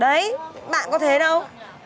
đấy bạn có thế đâu